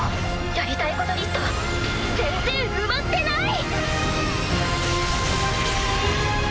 やりたいことリスト全然埋まってない！